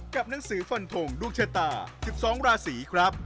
กับหนังสือฟันทงดวงชะตา๑๒ราศีครับ